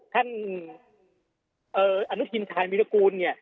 ท่านอนุทินชาญวิรากูลเนี่ย